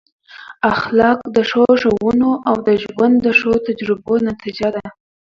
اخلاق د ښو ښوونو او د ژوند د ښو تجربو نتیجه ده.